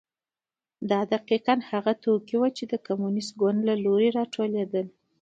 دا دقیقا هغه توکي وو چې د کمونېست ګوند له لوري راټولېدل.